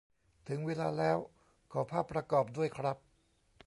ถึงเวลาแล้วขอภาพประกอบด้วยครับ